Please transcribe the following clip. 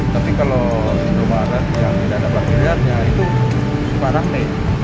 tapi kalau indomaret yang ada parkir liarnya itu separah say